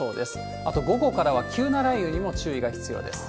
あと午後からは、急な雷雨にも注意が必要です。